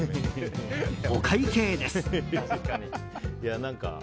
お会計です。